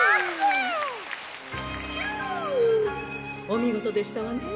「キュおみごとでしたわね。